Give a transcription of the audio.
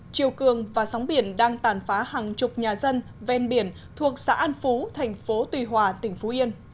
chiều cường và sóng biển đang tàn phá hàng chục nhà dân ven biển thuộc xã an phú thành phố tùy hòa tỉnh phú yên